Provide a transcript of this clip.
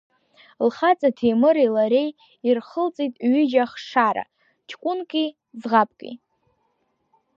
Лхаҵа Ҭемыри лареи ирхылҵит ҩыџьа ахшара, ҷкәынки ӡӷабки…